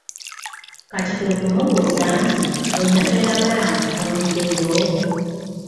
Kati kwe kumubuuza nti olina ky'oyagala nkufumbireyo?